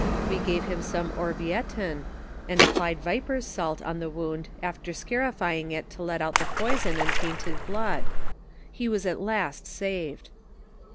We gave him some orvietan, and ap plied viper's salt on the wound after scarifying it to let out the poison and tainted blood ; he was at last saved.